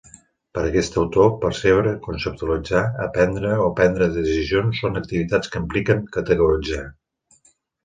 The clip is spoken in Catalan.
Per aquest autor, percebre, conceptualitzar, aprendre o prendre decisions són activitats que impliquen categoritzar.